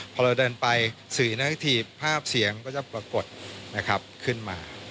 พอเราเดินไปสื่อหน้าที่ภาพเสียงก็จะปรากฏขึ้นมา